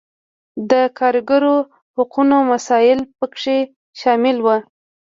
د کارګرو حقونو مسایل پکې شامل وو.